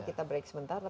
kita break sebentar